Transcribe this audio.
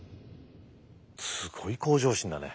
すごい向上心だね。